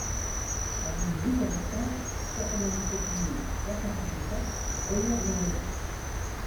Avenue Louis Caristan, quatre-vingt-dix-sept mille trois cent cinquante-quatre Remire-Montjoly